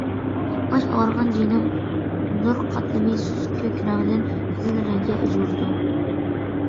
باش ئاغرىغان جاينىڭ نۇر قاتلىمى سۇس كۆك رەڭدىن قىزىل رەڭگە ئۆزگىرىدۇ.